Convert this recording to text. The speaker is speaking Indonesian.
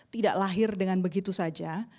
tidak lahir dengan begitu saja